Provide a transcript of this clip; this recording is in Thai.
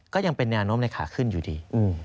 ก็ยังเป็นแนวโน้มในขาขึ้นอยู่ดี